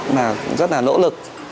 mà rất là nỗ lực